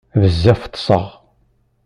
Bezzaf ṭṭseɣ.